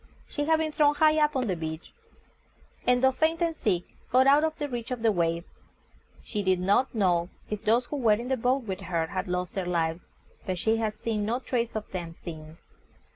She had been thrown high up on the beach, and though faint and sick, got out of the reach of the waves. She did not know if those who were in the boat with her had lost their lives, but she had seen no trace of them since.